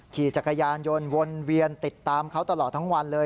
ขี่จักรยานยนต์วนเวียนติดตามเขาตลอดทั้งวันเลย